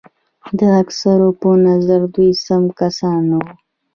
د اکثرو په نظر دوی سم کسان نه وو.